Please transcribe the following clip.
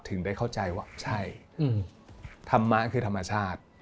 ถึงได้เข้าใจว่าใช่ธรรมะคือธรรมชาติ